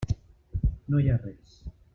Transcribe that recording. No hi ha res.